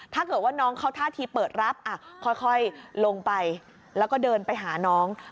ถ้าเกิดว่าน้องเขาท่าทีเปิดรับค่อยลงไปแล้วก็เดินไปหาน้อง